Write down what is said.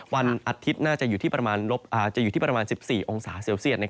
วันอาทิตย์น่าจะอยู่ที่ประมาณ๑๔องศาเซลเซียต